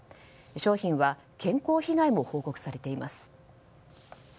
商品は健康被害も報告されています。